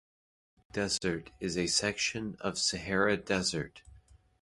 Talak Desert is a section of the Sahara Desert.